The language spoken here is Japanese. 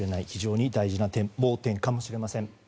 非常に大事な点かもしれません。